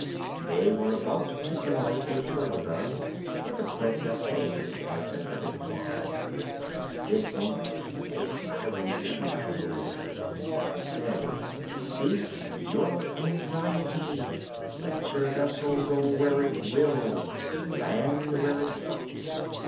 They were about to immolate a turtle dove, but the Princess saved its life, and let it fly. At this moment a syren issued from the water, and said, "Cease your anxiety, let your vessel go where it will; land where it stops."